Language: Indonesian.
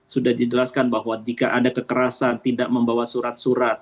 sudah dijelaskan bahwa jika ada kekerasan tidak membawa surat surat